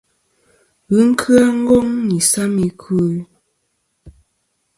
Ghɨ kya Ngong nɨ isam i kwo.